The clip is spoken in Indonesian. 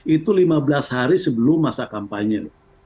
itu lima belas hari sebelum masa kampanye